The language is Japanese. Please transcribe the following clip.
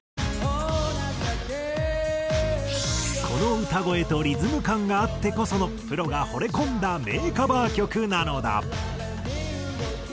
この歌声とリズム感があってこそのプロがほれ込んだ名カバー曲なのだ。